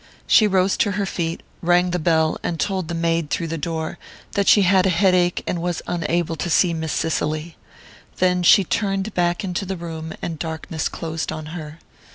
She rose to her feet, rang the bell, and told the maid, through the door, that she had a headache, and was unable to see Miss Cicely. Then she turned back into the room, and darkness closed on her.